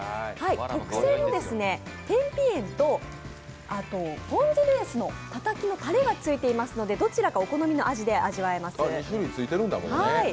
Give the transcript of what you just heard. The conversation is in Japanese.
特製の天日塩とポン酢ベースのたたきのたれがついていますのでどちらかお好みの味でいただけます。